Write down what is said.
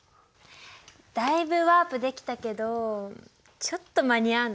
だいぶワープできたけどちょっと間に合わないね。